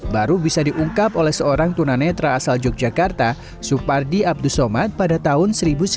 baru bisa diungkap oleh seorang tunanetra asal yogyakarta supardi abdus sommat pada tahun seribu sembilan ratus enam puluh tiga